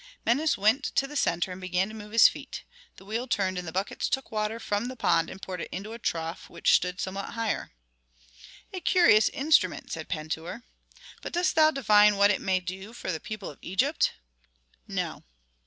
Menes went into the centre and began to move his feet; the wheel turned and the buckets took water from the pond and poured it into a trough which stood somewhat higher. "A curious instrument!" said Pentuer. "But dost thou divine what it may do for the people of Egypt?" "No."